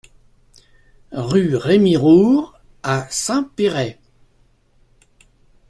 Rue Rémy Roure à Saint-Péray